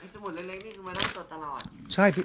สมุดเล็กนี่คือมานั่งจดตลอด